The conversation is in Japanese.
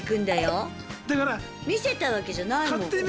見せたわけじゃないもん。